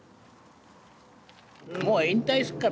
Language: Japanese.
もう引退すっから。